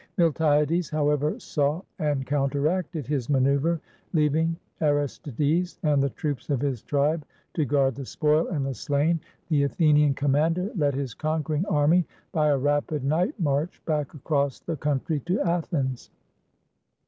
Miltiades, however, saw and counteracted his maneuver. Leaving Aristides and the troops of his tribe to guard the spoil and the slain, the Athenian commander led his conquering army by a rapid night march back across the country to Athens.